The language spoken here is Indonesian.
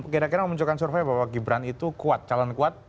kira kira memunculkan survei bahwa gibran itu kuat calon kuat